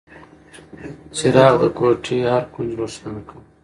څراغ د کوټې هر کونج روښانه کړ.